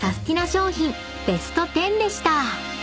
商品ベスト１０でした］